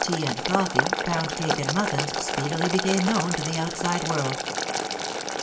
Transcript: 83 tea and coffee, pound cake and muffins, speedily became known to the outside world.